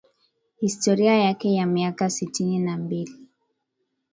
historia yake ya miaka sitini na mbili